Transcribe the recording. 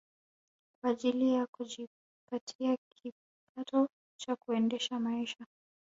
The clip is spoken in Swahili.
Kwa ajili ya kujipatia kipato cha kuendesha maisha